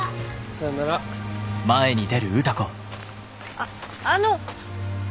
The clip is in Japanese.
あっあの！